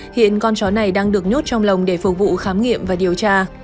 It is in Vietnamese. hiện con chó này đang được nhốt trong lòng để phục vụ khám nghiệm và điều tra